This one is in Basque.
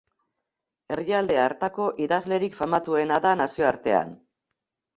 Herrialde hartako idazlerik famatuena da nazioartean.